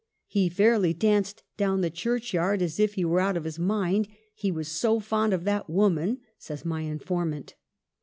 " He fairly danced down the churchyard as if he were out of his mind ; he was so fond of that woman," says my informant.